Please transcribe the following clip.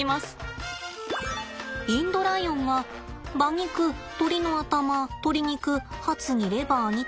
インドライオンは馬肉鶏の頭とり肉ハツにレバーにと。